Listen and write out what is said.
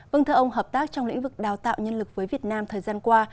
vâng thưa ông hợp tác trong lĩnh vực đào tạo nhân lực với việt nam thời gian qua